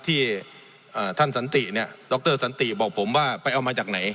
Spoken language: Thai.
ที่ท่านสันติเนี่ยดรสันติบอกผมว่าไปเอามาจากไหน